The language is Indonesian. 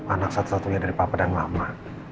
anak satu satunya dari papa dan mama